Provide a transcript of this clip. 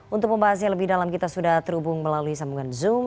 untuk pembahas yang lebih dalam kita sudah terhubung melalui sambungan zoom